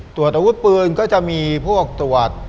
ตรวจอาวุธปืนก็จะมีพวกตรวจ